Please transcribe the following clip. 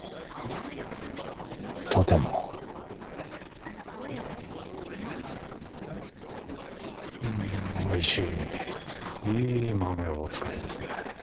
とてもうんおいしいいい豆をお使いですね